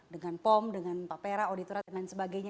dengan pom dengan pak pera auditorat dan lain sebagainya